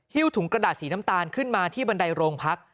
ถุงกระดาษสีน้ำตาลขึ้นมาที่บันไดโรงพัก